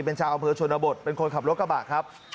เป็นชาวอำเภอชนบทเป็นคนขับรถกระบะครับ